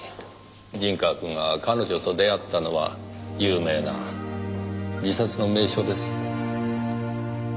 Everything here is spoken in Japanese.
陣川くんが彼女と出会ったのは有名な自殺の名所です。